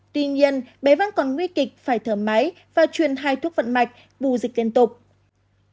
tuy nhiên bé vẫn còn nguy kịch phải thở máy và truyền hai thuốc vận mạch bù dịch liên tục